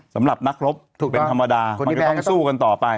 สำหรับนักรบเป็นธรรมดามันก็ต้องสู้กันต่อไป